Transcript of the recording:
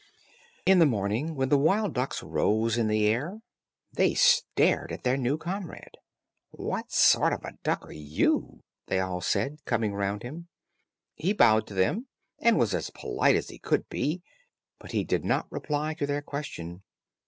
In the morning, when the wild ducks rose in the air, they stared at their new comrade. "What sort of a duck are you?" they all said, coming round him. He bowed to them, and was as polite as he could be, but he did not reply to their question.